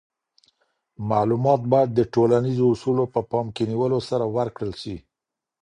معلومات باید د ټولنیزو اصولو په پام کي نیولو سره ورکړل سي.